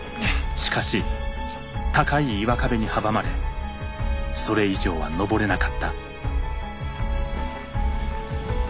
しかし高い岩壁に阻まれそれ以上は登れなかった。